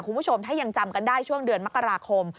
คุณผู้ชมถ้ายังจำกันได้ช่วงเดือนมกราคม